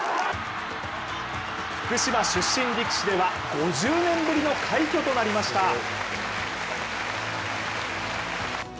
福島出身力士では、５０年ぶりの快挙となりました。